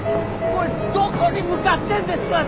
これどこに向かってんですか！？